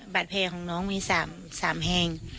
แผลของน้องมี๓แห่ง